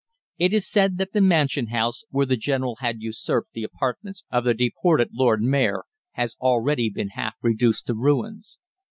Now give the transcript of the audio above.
It is said that the Mansion House, where the General had usurped the apartments of the deported Lord Mayor, has already been half reduced to ruins.